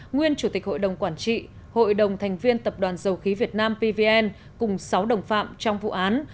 nguyên chủ tịch hội đồng quản trị hội đồng thành viên tập đoàn dầu khí việt nam pvn cùng sáu đồng phạm trong vụ án